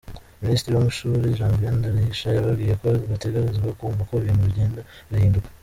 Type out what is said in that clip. Ministre w'amashure, Janviere Ndirahisha, yababwiye ko bategerezwa kwumva ko ibintu bigenda birahinduka.